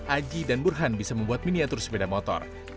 aji dan burhan bisa membuat miniatur sepeda motor